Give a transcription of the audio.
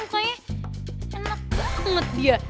pokoknya enak banget dia